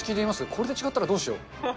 これで違ったらどうしよう。